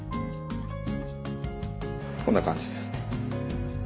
こんな感じですね。